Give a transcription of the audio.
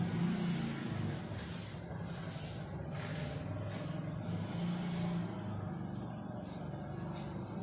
มีเวลาเมื่อเวลาเมื่อเวลาเมื่อเวลา